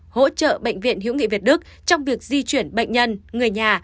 hỗ trợ bệnh viện hữu nghị việt đức trong việc di chuyển bệnh nhân người nhà